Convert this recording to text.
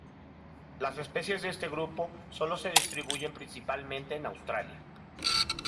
Las especies de este grupo se solo se distribuyen principalmente en Australia.